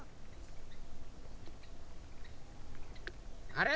あれ？